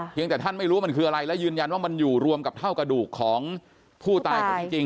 ยังแต่ท่านไม่รู้ว่ามันคืออะไรและยืนยันว่ามันอยู่รวมกับเท่ากระดูกของผู้ตายคนจริง